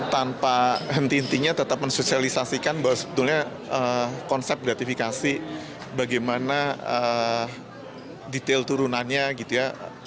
tanpa henti hentinya tetap mensosialisasikan bahwa sebetulnya konsep gratifikasi bagaimana detail turunannya gitu ya